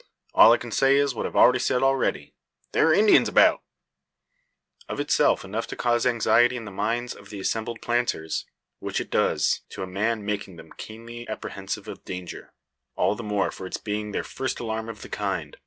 All I can say is, what I've sayed already: there are Indians about." Of itself enough to cause anxiety in the minds of the assembled planters; which it does, to a man making them keenly apprehensive of danger. All the more from its being their first alarm of the kind.